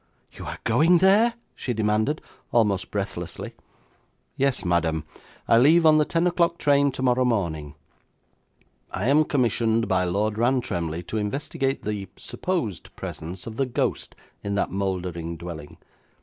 'You are going there?' she demanded, almost breathlessly. 'Yes, madam, I leave on the ten o'clock train tomorrow morning. I am commissioned by Lord Rantremly to investigate the supposed presence of the ghost in that mouldering dwelling.